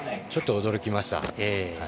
ちょっと驚きました。